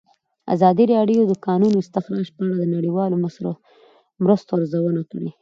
ازادي راډیو د د کانونو استخراج په اړه د نړیوالو مرستو ارزونه کړې.